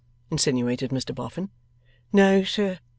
insinuated Mr Boffin. 'No, sir.